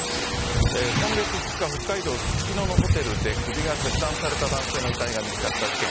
今月２日、北海道・すすきののホテルで首が切断された男性の遺体が見つかった事件。